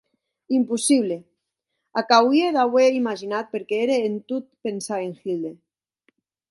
Impossible, ac auie d'auer imaginat perque ère en tot pensar en Hilde.